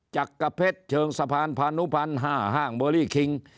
จักรเพชรเชิงสะพานพานุพันธ์๕ห้างเบอร์รี่คิง